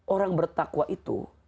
orang bertakwa itu